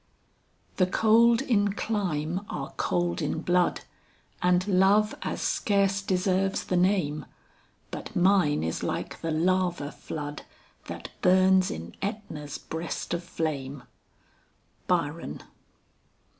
"The cold in clime are cold in blood, And love as scarce deserves the name, But mine is like the lava flood That burns in Etna's breast of flame." BYRON.